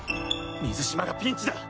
水嶋がピンチだ。